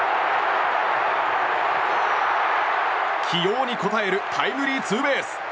起用に応えるタイムリーツーベース。